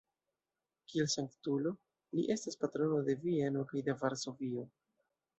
Kiel sanktulo li estas patrono de Vieno kaj de Varsovio.